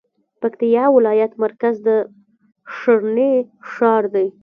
پکتيکا ولايت مرکز د ښرنې ښار دی